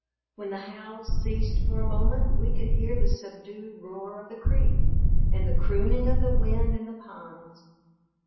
When the howls ceased for a moment we could hear the subdued roar of the creek and the crooning of the wind in the pines.